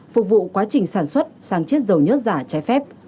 phục vụ quá trình sản xuất sáng chết dầu nhất giả trái phép